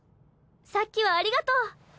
さっきはありがとう。